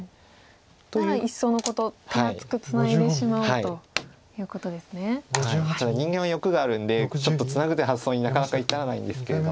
ただ人間は欲があるんでちょっとツナぐって発想になかなか至らないんですけれども。